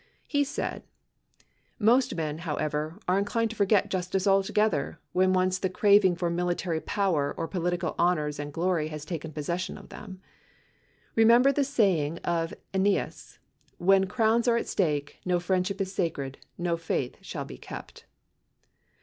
He said : Most men, however, are inclined to forget justice altogether, when once the craving for military power or political honors and glory has taken possession of them. Remember the say ing of Ennius, "When crowns are at stake, no friendship is sacred, no faith shall be kept."